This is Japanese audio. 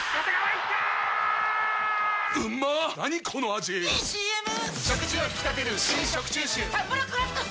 ⁉いいＣＭ！！